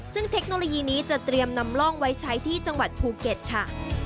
ซึ่งเทคโนโลยีนี้จะเตรียมนำร่องไว้ใช้ที่จังหวัดภูเก็ตค่ะ